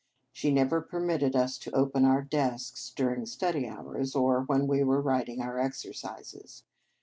She never permitted us to open our desks during study hours, or when we were writing our exercises.